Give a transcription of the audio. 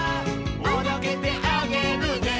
「おどけてあげるね」